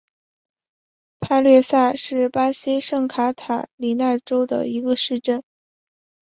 帕略萨是巴西圣卡塔琳娜州的一个市镇。